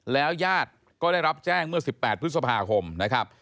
แล้วญาติก็ได้รับแจ้งเมื่อ๑๘พฤษภาคมนะครับ